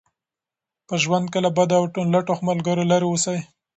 په ژوند کې له بدو او لټو ملګرو لرې اوسئ.